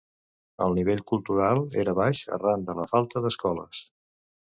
El nivell cultural era baix arran de la falta d'escoles.